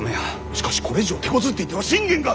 しかしこれ以上てこずっていては信玄が！